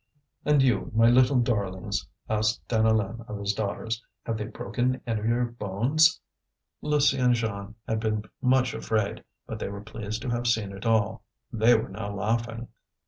"And you, my little darlings," asked Deneulin of his daughters; "have they broken any of your bones?" Lucie and Jeanne had been much afraid, but they were pleased to have seen it all. They were now laughing.